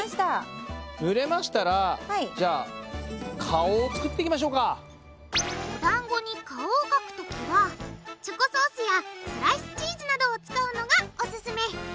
ぬれましたらじゃあおだんごに顔を描くときはチョコソースやスライスチーズなどを使うのがおすすめ！